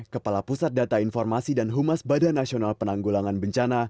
kepala pusat data informasi dan humas badan nasional penanggulangan bencana